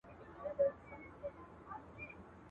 پياز څه کوم، نياز ئې څه کوم.